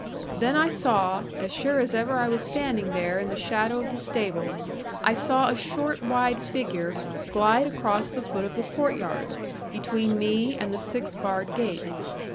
Then I saw, as sure as ever I was standing there in the shadow of the stable, I saw a short wide figure glide across the foot of the courtyard, between me and the six barred gate.